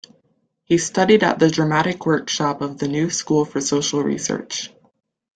He studied at the Dramatic Workshop of the New School for Social Research.